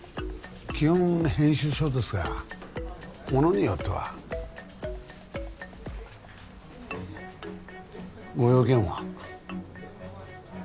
基本編集所ですがものによってはご用件は？